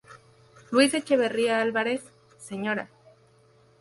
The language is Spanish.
Luis Echeverría Álvarez, Sra.